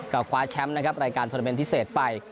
ก็คว้าแชมป์นะครับรายการโทรเมนต์พิเศษไป